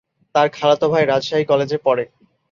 তার খালাতো ভাই রাজশাহী কলেজে পড়ে।